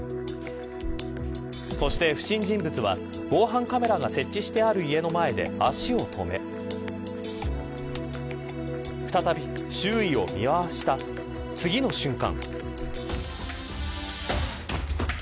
そして、不審人物は防犯カメラが設置してある家の前で足を止め再び周囲を見回した次の瞬間。